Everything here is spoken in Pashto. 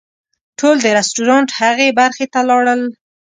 ټول د رسټورانټ هغې برخې ته لاړل.